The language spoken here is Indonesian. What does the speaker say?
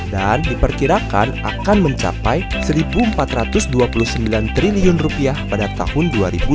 diperkirakan akan mencapai rp satu empat ratus dua puluh sembilan triliun rupiah pada tahun dua ribu dua puluh